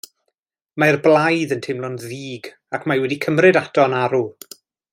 Mae Blaidd yn teimlo'n ddig ac mae wedi cymryd ato'n arw.